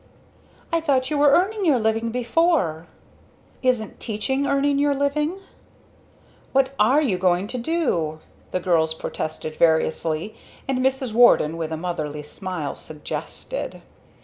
"I thought you were earning your living before!" "Isn't teaching earning your living?" "What are you going to do?" the girls protested variously, and Mrs. Warden, with a motherly smile, suggested!!!!!